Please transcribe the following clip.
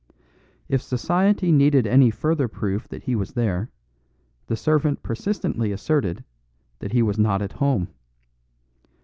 If society needed any further proof that he was there, the servant persistently asserted that he was not at home.